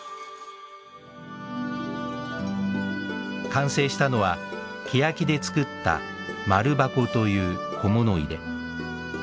完成したのはケヤキで作った丸筥という小物入れ。